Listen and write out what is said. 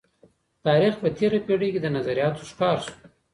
تاریخ په تیره پیړۍ کي د نظریاتو ښکار سو.